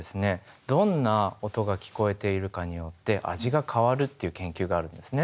どんな音が聞こえているかによって味が変わるっていう研究があるんですね。